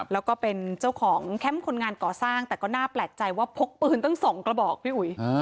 แล้วก็เป็นเจ้าของแคมป์คนงานก่อสร้างแต่ก็น่าแปลกใจว่าพกปืนตั้ง๒กระบอกพี่อุ๋ย